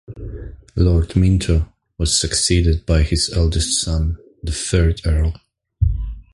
Lord Minto was succeeded by his eldest son, the third Earl.